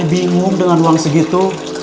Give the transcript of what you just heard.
bingung dengan uang segitu